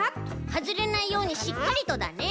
はずれないようにしっかりとだね。